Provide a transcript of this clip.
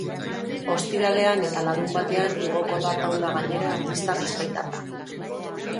Ostiralean eta larunbatean igoko da taula gainera artista bizkaitarra.